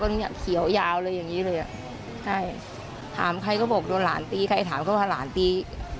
ใครก็บอกโดนหลานตีใครถามก็ว่าหลานตี